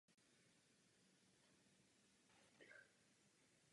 K prvnímu turnaji nastoupila v žákovské kategorii ve dvanácti letech.